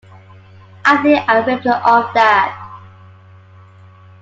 I think I ripped it off that.